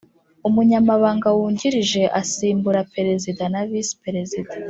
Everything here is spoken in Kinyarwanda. umunyamabanga wungirije Asimbura perezida na visi perezida